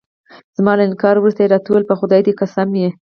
زما له انکار وروسته يې راته وویل: په خدای دې قسم وي.